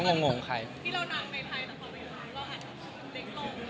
งงไใครที